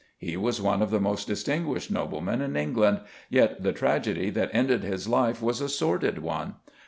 He was one of the most distinguished noblemen in England, yet the tragedy that ended his life was a sordid one.